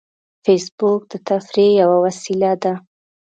فېسبوک د تفریح یوه وسیله ده